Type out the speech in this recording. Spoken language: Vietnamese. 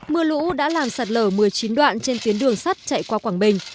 mưa lũ đã làm sạt lở một mươi chín đoạn trên tuyến đường sắt chạy qua quảng bình